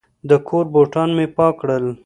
د کور بوټان مې پاک کړل.